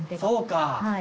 そうか。